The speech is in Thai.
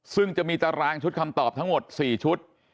ซึ่งจะมีตารางชุดคำตอบทั้งหมด๔ชุด